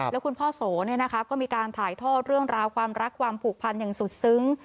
แล้วคุณพ่อโสก็มีการถ่ายทอดเรื่องราวความรักความผูกพันอย่างสุดซึ้ง